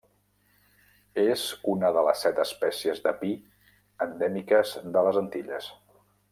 És una de les set espècies de pi endèmiques de les Antilles.